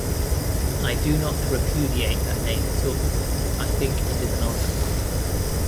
I do not repudiate that name at all. I think it is an honour.